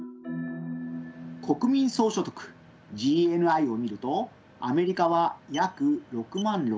国民総所得ＧＮＩを見るとアメリカは約６６，０６０ドル